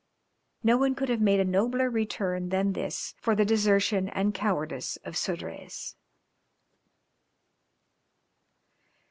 No one could have made a nobler return than this for the desertion and cowardice of Sodrez.